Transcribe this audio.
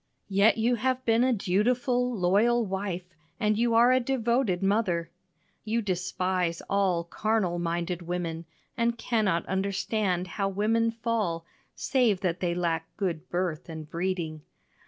Yet you have been a dutiful, loyal wife, and you are a devoted mother. You despise all carnal minded women, and cannot understand how women fall save that they lack good birth and breeding.